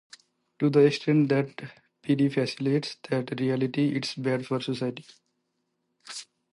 To the extent that Pd facilitates that reality, it's bad for society.